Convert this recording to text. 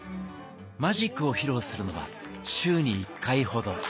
マジックを披露するのは週に一回ほど。